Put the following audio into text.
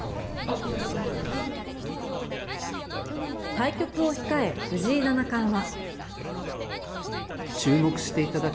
対局を控え藤井七冠は。